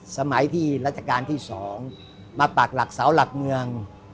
สมัยที่รัชกาลที่๒มาปากหลักเสาหลักเมือง